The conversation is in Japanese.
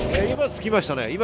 今、つきましたね。